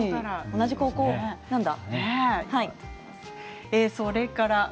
同じ高校なんだ。